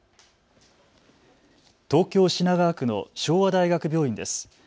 東京品川区の昭和大学病院です。